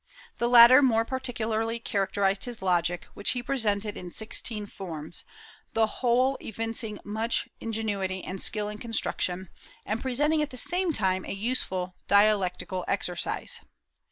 The latter more particularly characterized his logic, which he presented in sixteen forms, the whole evincing much ingenuity and skill in construction, and presenting at the same time a useful dialectical exercise.